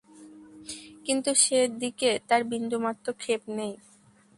কিন্তু সে দিকে তার বিন্দুমাত্র ক্ষেপ নেই।